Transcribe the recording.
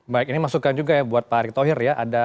baik ini masukan juga ya buat pak erick thohir ya